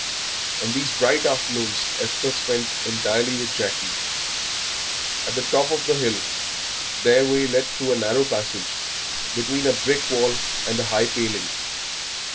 And these bright afternoons Esther spent entirely with Jackie. At the top of the hill their way led through a narrow passage between a brick wall and a high paling.